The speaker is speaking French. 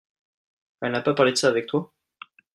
Elle n'a pas pas parlé de ça avec toi ?